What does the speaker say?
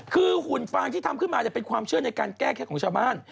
คือหุ่นฟางที่ทำขึ้นมาเป็นความเชื่อในการแก้แค่ของชาวบ้าน